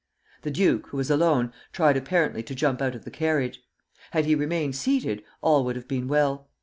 The duke, who was alone, tried apparently to jump out of the carriage. Had he remained seated, all would have been well.